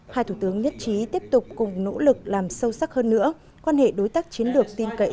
hai thủ tướng nhất trí tiếp tục cùng nỗ lực làm sâu sắc hơn nữa quan hệ đối tác chiến lược tin cậy